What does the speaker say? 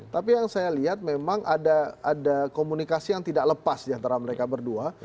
tapi yang saya lihat memang ada komunikasi yang tidak lepas diantara mereka berdua